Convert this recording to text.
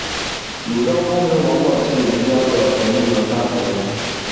鲁昭公流亡到齐鲁之交的郓地和干侯。